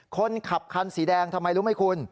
คนขับคันสีแดงทำไมรู้ไหมคุณ